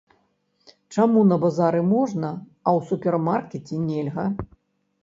Чаму на базары можна, а ў супермаркеце нельга?